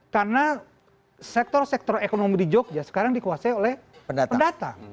karena sektor sektor ekonomi di jogja sekarang dikuasai oleh pendatang